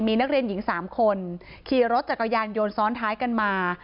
มีนักเรียนหญิง๓คนขี่รถจักรยานยนต์ซ้อนท้ายกันมา